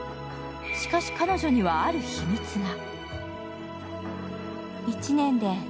しかし彼女にはある秘密が。